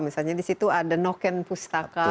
misalnya di situ ada noken pustaka